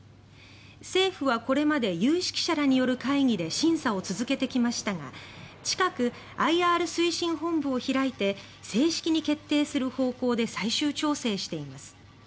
政府は、これまで有識者らによる会議で審査を続けてきましたが近くＩＲ推進本部を開いて正式に決定する方向で最終調整しています。